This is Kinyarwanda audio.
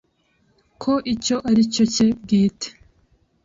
ko icyo aricyo cye bwite